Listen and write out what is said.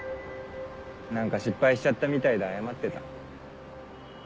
何か失敗しちゃったみたいで謝ってた。